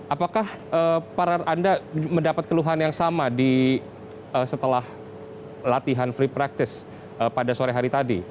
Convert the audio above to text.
apakah anda mendapat keluhan yang sama setelah latihan free practice pada sore hari tadi